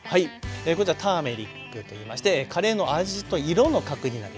こちらターメリックといいましてカレーの味と色の核になりますね。